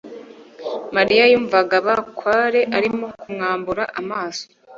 mariya yumvaga bakware arimo kumwambura amaso